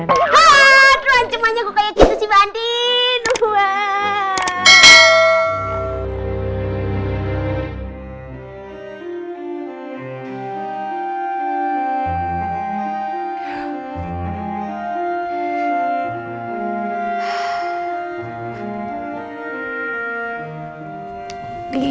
hah tuan cuman gue kayak gitu sih mbak andin